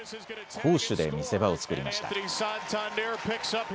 攻守で見せ場を作りました。